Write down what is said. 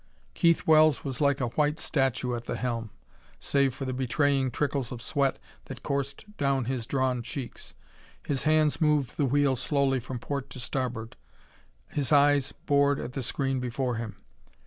Keith Wells was like a white statue at the helm, save for the betraying trickles of sweat that coursed down his drawn cheeks. His hands moved the wheel slowly from port to starboard; his eyes bored at the screen before him.